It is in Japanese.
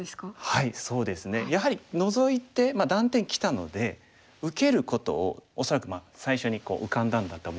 はいそうですね。やはりノゾいて断点きたので受けることを恐らくまあ最初に浮かんだんだと思うんですけれども。